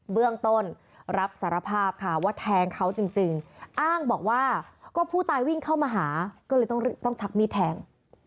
เบื้องต้นรับสารภาพค่ะว่าแทงเขาจริงอ้างบอกว่าก็ผู้ตายวิ่งเข้ามาหาก็เลยต้องชักมีดแทง